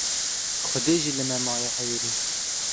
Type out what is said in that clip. Xwedê jî li me maye heyirî!